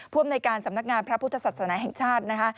ภวมในการสำนักงานพระพุทธศาสนาแห่งชาติ